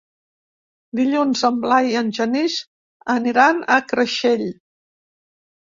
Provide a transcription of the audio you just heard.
Dilluns en Blai i en Genís aniran a Creixell.